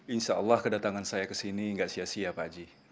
insya allah kedatangan saya ke sini gak sia sia pak haji